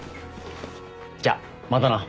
じゃあまたな。